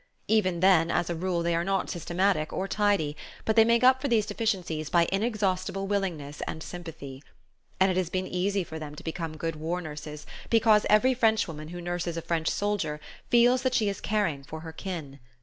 Even then, as a rule, they are not systematic or tidy; but they make up for these deficiencies by inexhaustible willingness and sympathy. And it has been easy for them to become good war nurses, because every Frenchwoman who nurses a French soldier feels that she is caring for her kin.